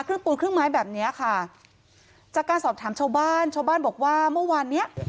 ปูนครึ่งไม้แบบเนี้ยค่ะจากการสอบถามชาวบ้านชาวบ้านบอกว่าเมื่อวานเนี้ย